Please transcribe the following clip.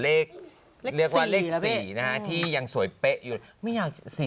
เลข๔นะพี่เรียกว่าเลข๔นะฮะที่ยังสวยเป๊ะอยู่ไม่อยาก๔๐แล้วเหรอ